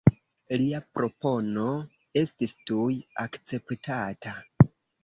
Lia propono estis tuj akceptata.